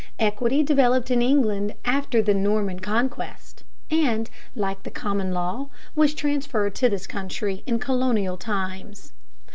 Equity developed in England after the Norman Conquest, and, like the common law, was transferred to this country in colonial times.